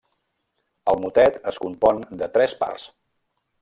El motet es compon de tres parts.